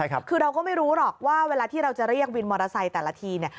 คือเราก็ไม่รู้หรอกว่าเวลาที่เราจะเรียกวินมอเตอร์ไซค์แต่ละที